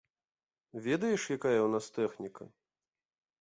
Ведаеш, якая ў нас тэхніка?